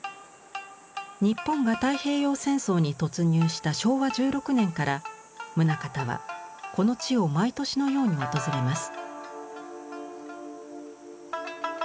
日本が太平洋戦争に突入した昭和１６年から棟方はこの地を毎年のように訪れます。